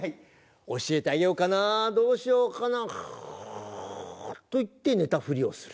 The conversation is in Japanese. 「教えてあげようかなどうしようかなグゥ」と言って寝たふりをする。